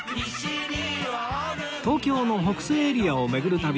東京の北西エリアを巡る旅